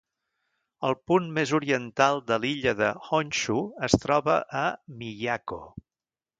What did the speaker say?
El punt més oriental de l'illa de Honshu es troba a Miyako.